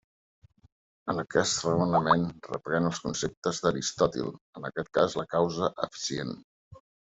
En aquest raonament reprèn els conceptes d'Aristòtil, en aquest cas la causa eficient.